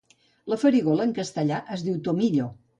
La farigola en castellà es diu tomillo.